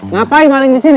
ngapain maling di sini